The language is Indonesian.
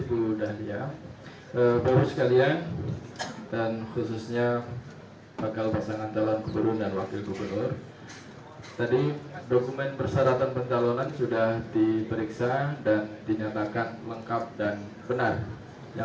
untuk sesuainya saya kembalikan kepada